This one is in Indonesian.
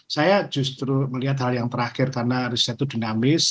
saya justru melihat hal yang terakhir karena riset itu dinamis